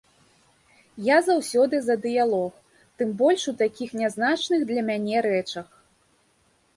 Я заўсёды за дыялог, тым больш у такіх нязначных для мяне рэчах.